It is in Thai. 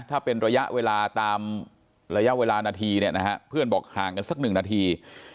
ถ้าเป็นระยะเวลาตามระยะเวลานาทีเนี่ยนะฮะเพื่อนบอกห่างกันสักหนึ่งนาที